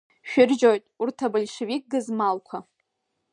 Шәыржьоит урҭ абольшевик гызмалқәа.